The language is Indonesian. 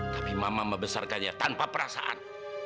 tapi mama membesarkannya tanpa perasaan